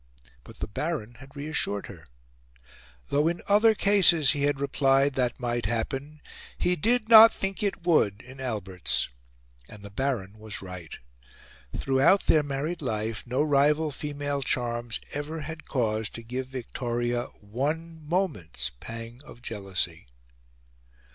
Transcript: But the Baron had reassured her; though in other cases, he had replied, that might happen, he did not think it would in Albert's. And the Baron was right. Throughout their married life no rival female charms ever had cause to give Victoria one moment's pang of jealousy.